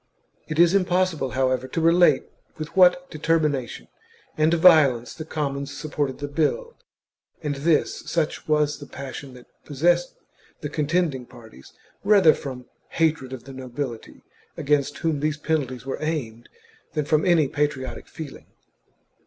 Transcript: It is impossible, however, to relate with what determina tion and violence the commons supported the bill, and this, such was the passion that possessed the contending parties, rather from hatred of the nobility, against whom these penalties were aimed, than from any patriotic feeling.